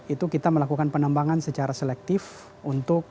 itu kita melakukan penambangan secara selektif untuk